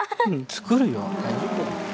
作るよ。